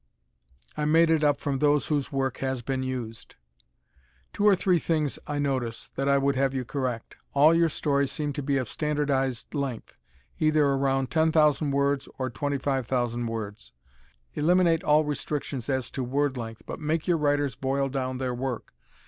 I made it up from those whose work has been used. Two or three things I notice, that I would have you correct. All your stories seem to be of standardized length, either around 10,000 words or 25,000 words. Eliminate all restrictions as to word length but make your writers boil down their work.